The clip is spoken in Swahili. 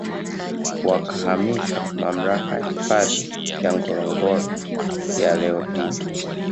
Wakahamishiwa Mamlaka ya Hifadhi ya Ngorongoro ya leo hii